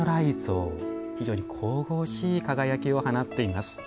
非常に神々しい輝きを放っています。